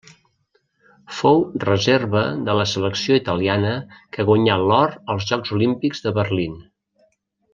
Fou reserva de la selecció italiana que guanyà l'or als Jocs Olímpics de Berlín.